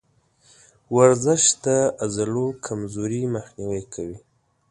ورزش د عضلو کمزوري مخنیوی کوي.